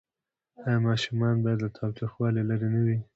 آیا ماشومان باید له تاوتریخوالي لرې نه وي؟